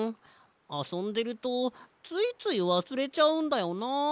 あそんでるとついついわすれちゃうんだよな。